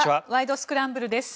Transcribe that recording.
スクランブル」です。